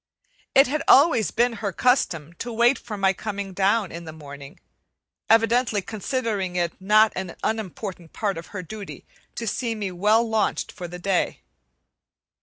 It had always been her custom to wait for my coming down in the morning, evidently considering it a not unimportant part of her duty to see me well launched for the day.